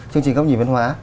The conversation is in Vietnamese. chương trình góc nhìn văn hóa